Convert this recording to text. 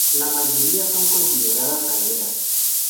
La mayoría son consideradas aldeas.